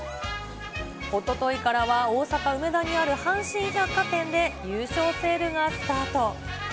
おとといからは大阪・梅田にある阪神百貨店で、優勝セールがスタート。